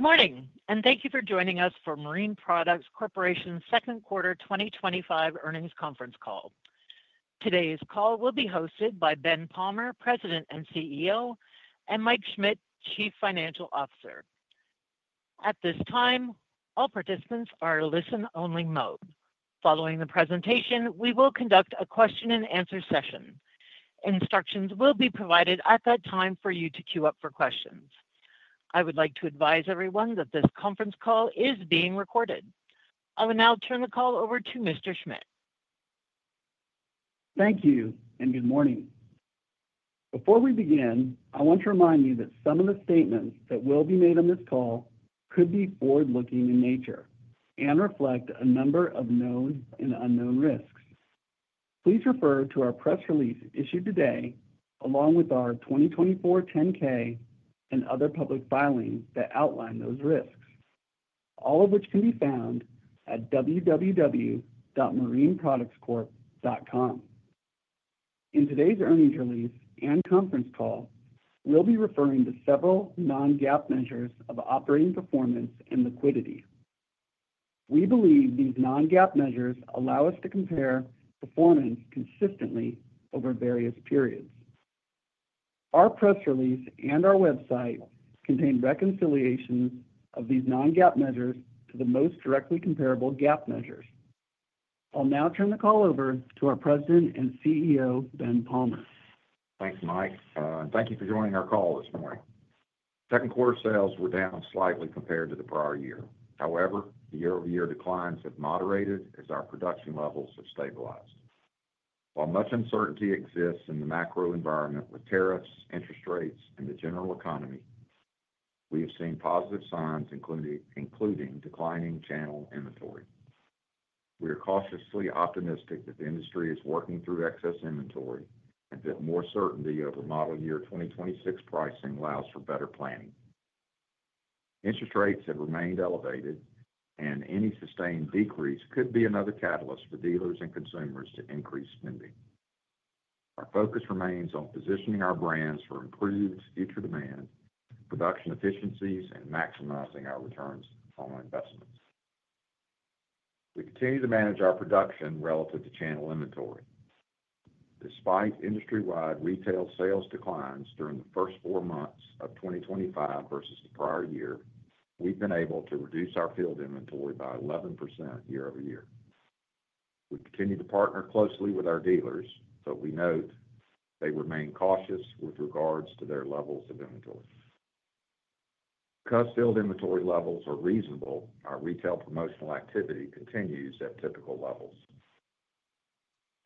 Good morning and thank you for joining us for Marine Products Corporation's Second Quarter 2025 Earnings Conference Call. Today's call will be hosted by Ben Palmer, President and CEO, and Mike Schmit, Chief Financial Officer. At this time, all participants are in listen-only mode. Following the presentation, we will conduct a question-and-answer session. Instructions will be provided at that time for you to queue up for questions. I would like to advise everyone that this conference call is being recorded. I will now turn the call over to Mr. Schmit. Thank you and good morning. Before we begin, I want to remind you that some of the statements that will be made on this call could be forward-looking in nature and reflect a number of known and unknown risks. Please refer to our press release issued today, along with our 2024 10-K and other public filings that outline those risks, all of which can be found at www.marineproductscorp.com. In today's earnings release and conference call, we'll be referring to several non-GAAP measures of operating performance and liquidity. We believe these non-GAAP measures allow us to compare performance consistently over various periods. Our press release and our website contain reconciliations of these non-GAAP measures to the most directly comparable GAAP measures. I'll now turn the call over to our President and CEO, Ben Palmer. Thanks, Mike, and thank you for joining our call this morning. Second quarter sales were down slightly compared to the prior year. However, the year-over-year declines have moderated as our production levels have stabilized. While much uncertainty exists in the macro environment with tariffs, interest rates, and the general economy, we have seen positive signs including declining channel inventory. We are cautiously optimistic that the industry is working through excess inventory and that more certainty over model year 2026 pricing allows for better planning. Interest rates have remained elevated, and any sustained decrease could be another catalyst for dealers and consumers to increase spending. Our focus remains on positioning our brands for improved future demand, production efficiencies, and maximizing our returns on investments. We continue to manage our production relative to channel inventory. Despite industry-wide retail sales declines during the first four months of 2025 versus the prior year, we've been able to reduce our field inventory by 11% year over year. We continue to partner closely with our dealers, but we note they remain cautious with regards to their levels of inventory. Because field inventory levels are reasonable, our retail promotional activity continues at typical levels.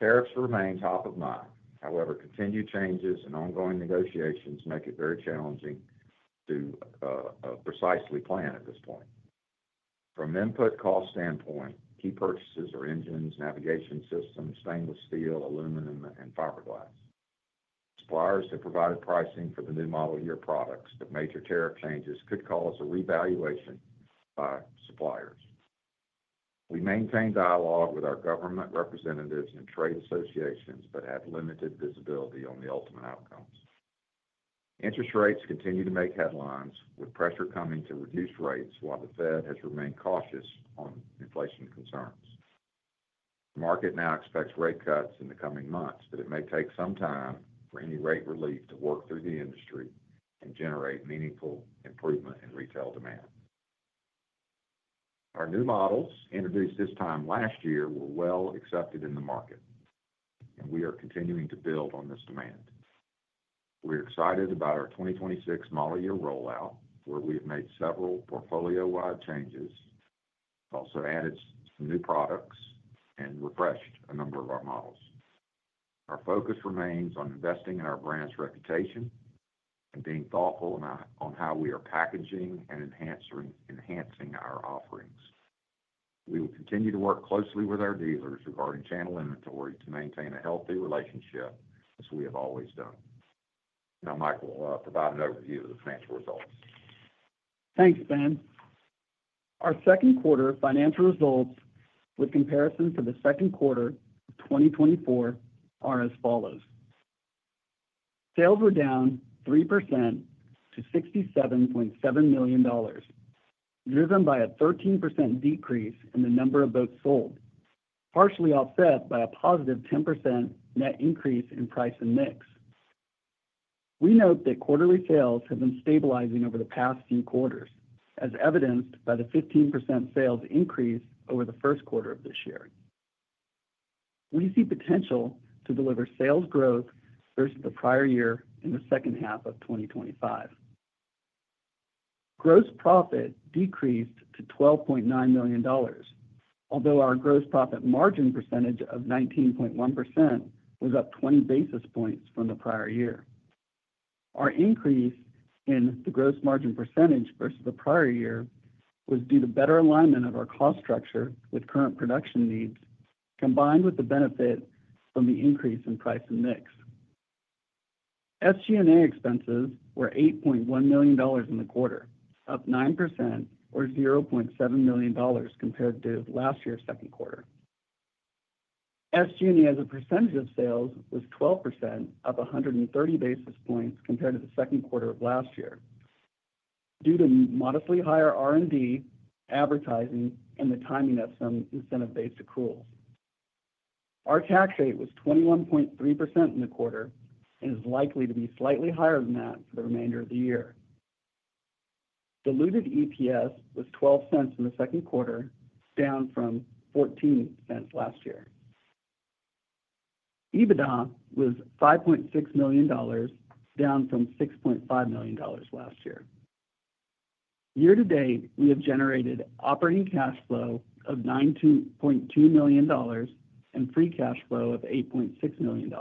Tariffs remain top of mind. However, continued changes and ongoing negotiations make it very challenging to precisely plan at this point. From an input cost standpoint, key purchases are engines, navigation systems, stainless steel, aluminum, and fiberglass. Suppliers have provided pricing for the new model year products, but major tariff changes could cause a revaluation by suppliers. We maintain dialogue with our government representatives and trade associations, but have limited visibility on the ultimate outcomes. Interest rates continue to make headlines with pressure coming to reduce rates, while the Fed has remained cautious on inflation concerns. The market now expects rate cuts in the coming months, but it may take some time for any rate relief to work through the industry and generate meaningful improvement in retail demand. Our new models, introduced this time last year, were well accepted in the market, and we are continuing to build on this demand. We are excited about our 2026 model year rollout, where we have made several portfolio-wide changes, also added some new products, and refreshed a number of our models. Our focus remains on investing in our brand's reputation and being thoughtful on how we are packaging and enhancing our offerings. We will continue to work closely with our dealers regarding channel inventory to maintain a healthy relationship as we have always done. Now, Mike will provide an overview of the financial results. Thanks, Ben. Our second quarter financial results with comparison to the second quarter of 2024 are as follows. Sales were down 3% to $67.7 million, driven by a 13% decrease in the number of boats sold, partially offset by a positive 10% net increase in price and mix. We note that quarterly sales have been stabilizing over the past few quarters, as evidenced by the 15% sales increase over the first quarter of this year. We see potential to deliver sales growth versus the prior year in the second half of 2025. Gross profit decreased to $12.9 million, although our gross profit margin percentage of 19.1% was up 20 basis points from the prior year. Our increase in the gross margin percentage versus the prior year was due to better alignment of our cost structure with current production needs, combined with the benefit from the increase in price and mix. SG&A expenses were $8.1 million in the quarter, up 9% or $0.7 million compared to last year's second quarter. SG&A as a percentage of sales was 12%, up 130 basis points compared to the second quarter of last year, due to modestly higher R&D, advertising, and the timing of some incentive-based accrual. Our tax rate was 21.3% in the quarter and is likely to be slightly higher than that for the remainder of the year. Diluted EPS was $0.12 in the second quarter, down from $0.14 last year. EBITDA was $5.6 million, down from $6.5 million last year. Year to date, we have generated operating cash flow of $92.2 million and free cash flow of $8.6 million.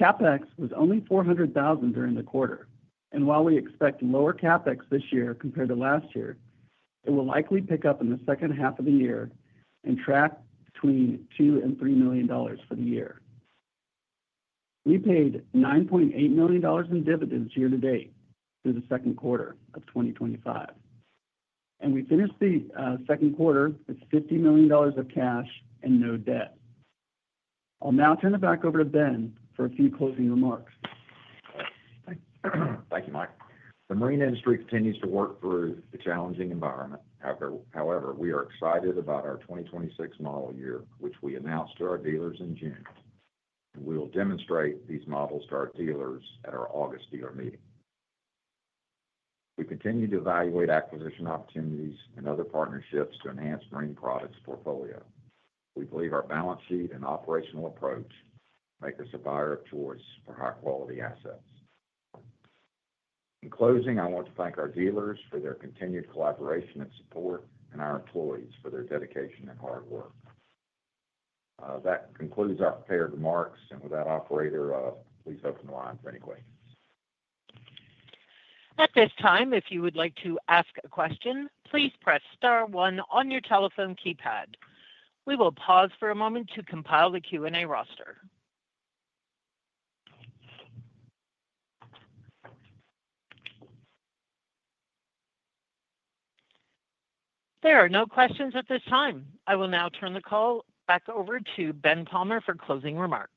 CapEx was only $400,000 during the quarter, and while we expect lower CapEx this year compared to last year, it will likely pick up in the second half of the year and track between $2 million and $3 million for the year. We paid $9.8 million in dividends year to date through the second quarter of 2025, and we finished the second quarter with $50 million of cash and no debt. I'll now turn it back over to Ben for a few closing remarks. Thank you, Mike. The marine industry continues to work through the challenging environment. However, we are excited about our 2026 model year, which we announced to our dealers in June, and we will demonstrate these models to our dealers at our August dealer meeting. We continue to evaluate acquisition opportunities and other partnerships to enhance Marine Products Corporation's portfolio. We believe our balance sheet and operational approach make us a buyer of choice for high-quality assets. In closing, I want to thank our dealers for their continued collaboration and support and our employees for their dedication and hard work. That concludes our prepared remarks, and without operator, please open the line for anybody. At this time, if you would like to ask a question, please press star one on your telephone keypad. We will pause for a moment to compile the Q&A roster. There are no questions at this time. I will now turn the call back over to Ben Palmer for closing remarks.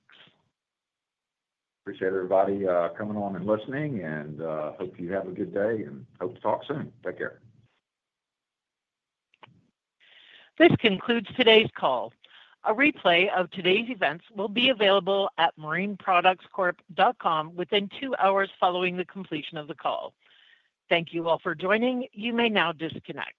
Appreciate everybody coming on and listening. I hope you have a good day and hope to talk soon. Take care. This concludes today's call. A replay of today's events will be available at marineproductscorp.com within two hours following the completion of the call. Thank you all for joining. You may now disconnect.